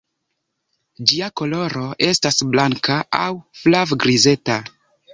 Ĝia koloro estas blanka aŭ flavgrizeta.